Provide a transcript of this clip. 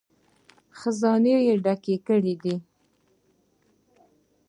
خزانې یې ډکې کړې دي.